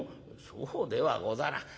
「そうではござらん。